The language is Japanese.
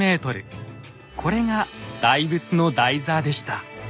これが大仏の台座でした。